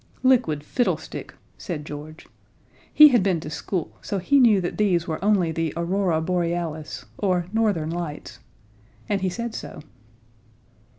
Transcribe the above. "Liquid fiddlestick!" said George. He had been to school, so he knew that these were only the Aurora Borealis, or Northern Lights. And he said so.